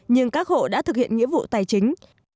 nhưng các hộ đã thực hiện nghĩa vụ tài chính